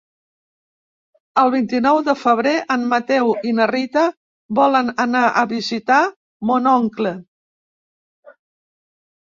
El vint-i-nou de febrer en Mateu i na Rita volen anar a visitar mon oncle.